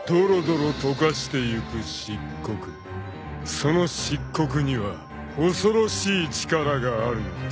［その漆黒には恐ろしい力があるんです］